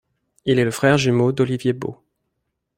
Il est le frère jumeau d'Olivier Beaud.